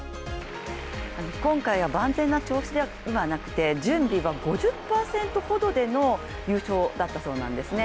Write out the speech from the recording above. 今回は万全な調子ではなくて準備が５０％ほどでの優勝だったそうなんですね